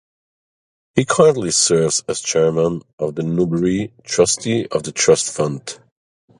He currently serves as chairman of the Newbury Trustee of the Trust Fund.